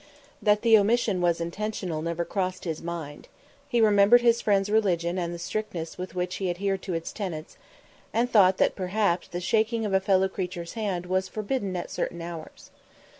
That the omission was intentional never crossed his mind. He remembered his friend's religion and the strictness with which he adhered to its tenets, and thought that perhaps the shaking of a fellow creature's hand was forbidden at certain hours.